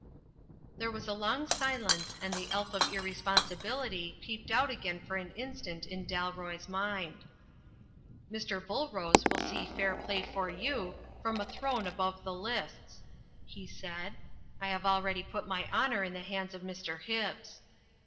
There was a long silence, and the elf of irresponsi bility peeped out again for an instant in Dalroy's mind. "Mr. BuUrose will see fair play for you, from a throne above the lists," he said. "I have already put my honour in the hands of Mr. Hibbs."